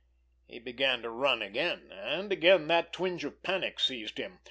He began to run again, and again that twinge of panic seized him.